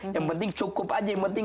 yang penting cukup saja